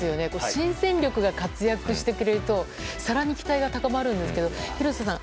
新戦力が活躍してくれると更に期待が高まるんですけど廣瀬さん